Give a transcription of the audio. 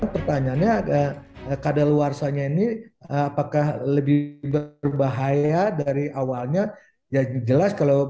pertanyaannya ada kadaluarsanya ini apakah lebih berbahaya dari awalnya ya jelas kalau